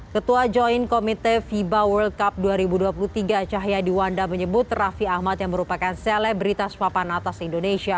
ketua joint komite fiba world cup dua ribu dua puluh tiga cahyadi wanda menyebut raffi ahmad yang merupakan selebritas papan atas indonesia